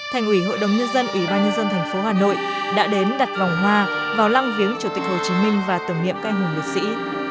thành ủy hội đồng nhân dân ủy ban nhân dân thành phố hà nội đã đến đặt vòng hoa vào lăng viếng chủ tịch hồ chí minh và tưởng niệm canh hùng liệt sĩ